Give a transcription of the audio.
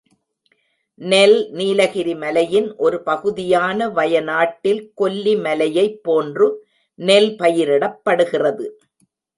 நெல் நீலகிரி மலையின் ஒரு பகுதியான வயனாட்டில் கொல்லி மலையைப் போன்று நெல் பயிரிடப்படுகிறது.